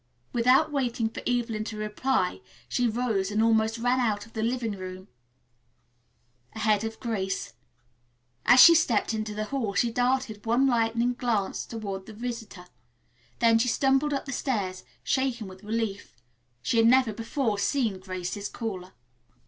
Without waiting for Evelyn to reply, she rose and almost ran out of the living room ahead of Grace. As she stepped into the hall she darted one lightning glance toward the visitor, then she stumbled up the stairs, shaking with relief. She had never before seen Grace's caller.